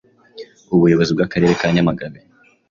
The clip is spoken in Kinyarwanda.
Ubuyobozi bw’Akarere ka Nyamagabe